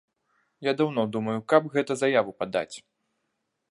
Я даўно думаю, каб гэта заяву падаць.